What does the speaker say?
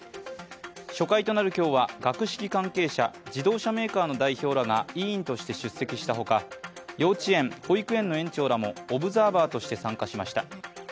初回となる今日は学識関係者、自動車メーカーの代表らが委員として出席したほか幼稚園、保育園の園長らもオブザーバーとして参加しました。